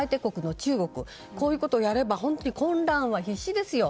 中国がこういうことをやれば混乱は必至ですよ。